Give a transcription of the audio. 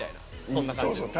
そんな感じ。